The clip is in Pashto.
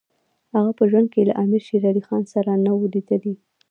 هغه په ژوند کې له امیر شېر علي خان سره نه وو لیدلي.